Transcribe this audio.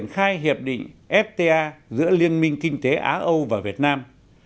khai hiệp định fta giữa liên minh kinh tế á âu và việt nam